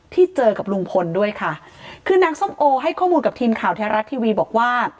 ที่เจอกับลุงพลด้วยค่ะคือนางส้มโอให้ข้อมูลกับทีมข่าวแท้รัฐทีวีบอกว่า